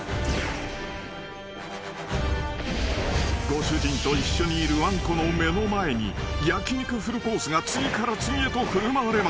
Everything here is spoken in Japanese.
［ご主人と一緒にいるわんこの目の前に焼き肉フルコースが次から次へと振る舞われます］